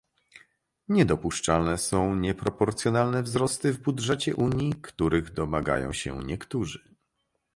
Niedopuszczalne są nieproporcjonalne wzrosty w budżecie Unii, których domagają się niektórzy